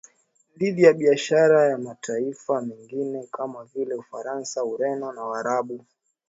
dhidi ya biashara ya mataifa mengine kama vile Ufaransa Ureno na Waarabu